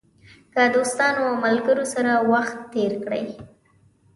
که دوستانو او ملګرو سره وخت تېر کړئ.